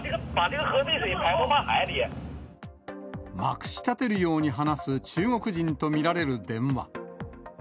まくしたてるように話す中国人と見られる電話。